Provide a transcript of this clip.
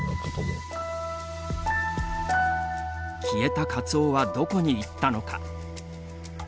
消えたカツオはどこに行ったのか。